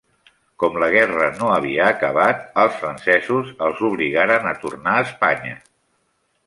Com la guerra no havia acabat, els francesos els obligaren a tornar a Espanya.